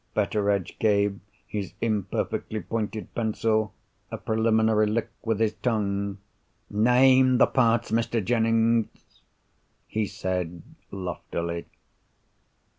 Betteredge gave his imperfectly pointed pencil a preliminary lick with his tongue. "Name the parts, Mr. Jennings!" he said loftily.